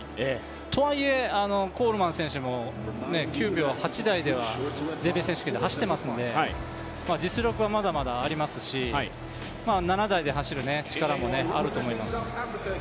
とはいえ、コールマン選手の９秒８台では全米選手権で走っていますので実力はまだまだありますし７台で走る力もあると思います。